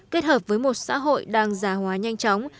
kết hợp với một xã hội đang già hóa nhanh chóng